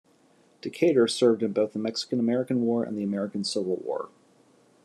"Decatur" served in both the Mexican-American War and the American Civil War.